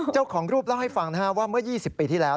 เจ้าของรูปเล่าให้ฟังว่าเมื่อ๒๐ปีที่แล้ว